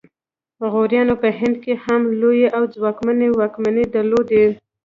غوریانو په هند کې هم لویې او ځواکمنې واکمنۍ درلودې